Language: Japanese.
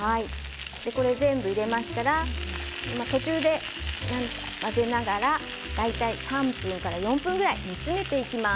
全部入れましたら途中で混ぜながら大体、３分から４分ぐらい煮詰めていきます。